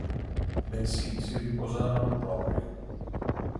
Bensì si riposarono proprio.